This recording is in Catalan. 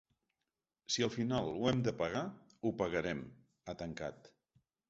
“Si al final ho hem de pagar, ho pagarem”, ha tancat.